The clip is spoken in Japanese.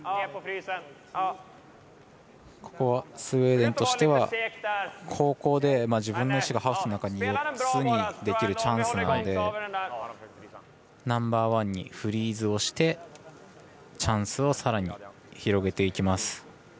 スウェーデンとしては後攻で自分の石がハーフの中に４つにできるチャンスなのでナンバーワンにフリーズをしてチャンスをさらに広げていきます。